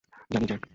জানি, জ্যাক!